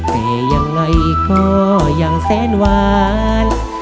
แต่ยังไงก็ยังแสนหวาน